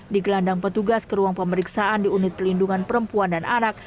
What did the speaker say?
digelandang petugas ke ruang pemeriksaan di unit pelindungan perempuan dan anak